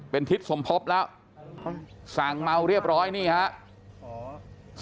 เป็นทิศสมภพแล้วสั่งเมาเรียบร้อยนี่ครับ